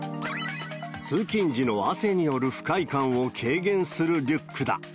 通勤時の汗による不快感を軽減するリュックだ。